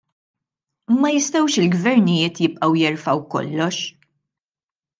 Ma jistgħux il-gvernijiet jibqgħu jerfgħu kollox!